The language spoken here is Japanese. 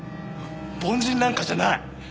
凡人なんかじゃない！